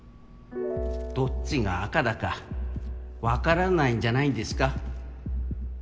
どっちが赤だかわからないんじゃないです